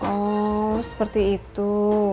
oh seperti itu